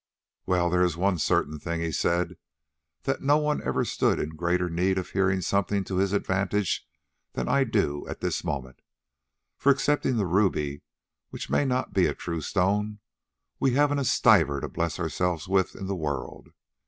"Well, there is one thing certain," he said, "that no one ever stood in greater need of hearing something to his advantage than I do at this moment, for excepting the ruby, which may not be a true stone, we haven't a stiver to bless ourselves with in the world.